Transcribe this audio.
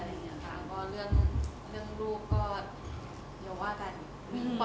เรื่องรูปก็อย่าว่ากัน